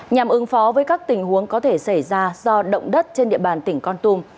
nhằm ứng phó với các tình huống có thể xảy ra do động đất trên địa bàn tỉnh con tum